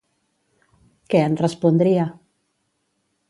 —Què en respondria?